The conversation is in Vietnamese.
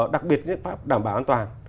đặc biệt những cái biện pháp đảm bảo an toàn